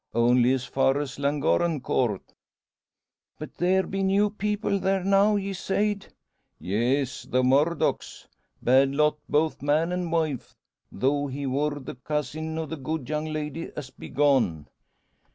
"Only as far as Llangorren Court." "But there be new people there now, ye sayed?" "Yes; the Murdocks. Bad lot both man an' wife, though he wor the cousin o' the good young lady as be gone."